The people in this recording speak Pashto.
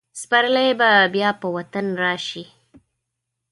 سپرلی به بیا په وطن راشي.